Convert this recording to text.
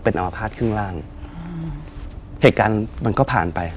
เป็นอาวาภาษณ์ขึ้นล่างเหตุการณ์มันก็ผ่านไป